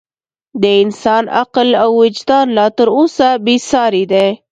د انسان عقل او وجدان لا تر اوسه بې ساري دی.